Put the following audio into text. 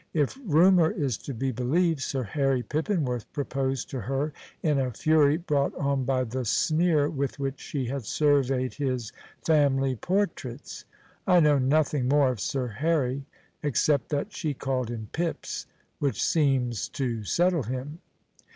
If rumour is to be believed, Sir Harry Pippinworth proposed to her in a fury brought on by the sneer with which she had surveyed his family portraits. I know nothing more of Sir Harry, except that she called him Pips, which seems to settle him.